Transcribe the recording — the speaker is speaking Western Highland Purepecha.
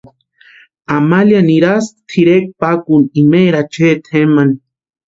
Amalia nirasti tʼirekwa pakuni imeri achenti jempani.